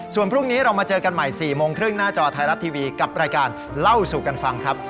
ส่วนพรุ่งนี้เรามาเจอกันใหม่๔โมงครึ่งหน้าจอไทยรัฐทีวีกับรายการเล่าสู่กันฟังครับ